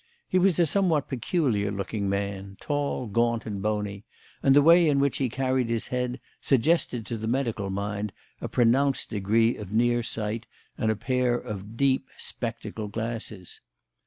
He was a somewhat peculiar looking man, tall, gaunt, and bony, and the way in which he carried his head suggested to the medical mind a pronounced degree of near sight and a pair of "deep" spectacle glasses.